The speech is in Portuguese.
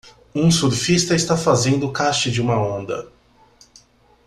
Um surfista está fazendo cache de uma onda.